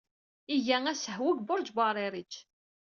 Iga asehwu deg Lbuṛj Buɛṛiṛij.